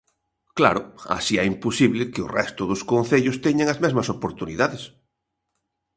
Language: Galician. Claro, así é imposible que o resto dos concellos teñan as mesmas oportunidades.